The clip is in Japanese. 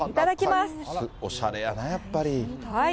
おしゃれやね、やっぱり。